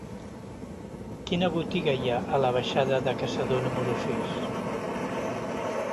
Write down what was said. Quina botiga hi ha a la baixada de Caçador número sis?